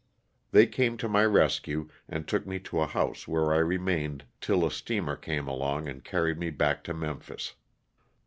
They came to my rescue and took me to a house where I remained till a steamer came along and carried me back to Memphis.